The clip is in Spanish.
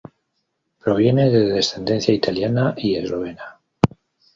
Proviene de descendencia italiana y eslovena.